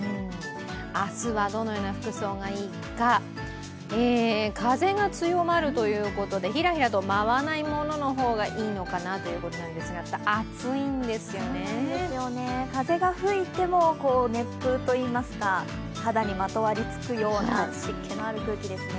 明日はどのような服装がいいか風が強まるということでひらひらと舞わないものの方がいいのかなということですが風が吹いても熱風といいますか、肌にまとわりつくような湿気のある空気ですね